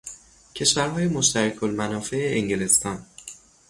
کشورهای مشترک المنافع انگلستان